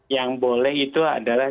yang boleh itu adalah